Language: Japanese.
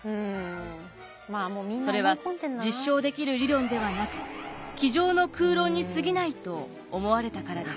それは実証できる理論ではなく机上の空論にすぎないと思われたからです。